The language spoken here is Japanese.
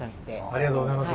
ありがとうございます。